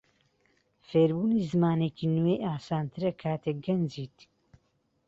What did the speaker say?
فێربوونی زمانێکی نوێ ئاسانترە کاتێک گەنجیت.